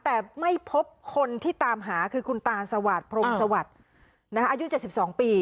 แต่ไม่พบคนที่ตามหาคือคุณตาสวัสดิ์พรมสวัสดิ์นะคะอายุเจ็บสิบสองปี